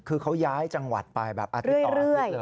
คือเขาย้ายจังหวัดไปแบบอาทิตย์ต่ออาทิตย์เลย